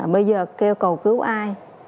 bây giờ kêu cầu cứu ai